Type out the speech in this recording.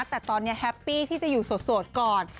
แต่ตอนนี้แฮปปี้ที่จะอยู่โสดก่อน